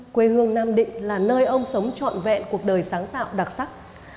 quê hương nam định là nơi ông sống trọn vẹn cuộc đời sáng tạo đặc sắc